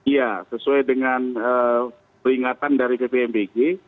ya sesuai dengan peringatan dari ppmbg